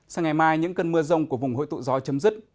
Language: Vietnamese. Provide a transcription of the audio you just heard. sáng ngày mai những cơn mưa rông của vùng hội tụ gió chấm dứt